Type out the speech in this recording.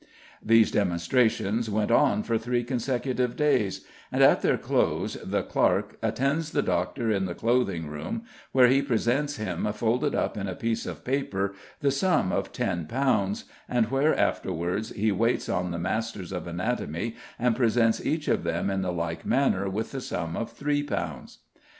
These demonstrations went on for three consecutive days, and at their close the clerk "attends the doctor in the cloathing room, where he presents him, folded up in a piece of paper, the sum of ten pounds, and where afterwards he waits on the masters of anatomy and presents each of them in the like manner with the sum of three pounds."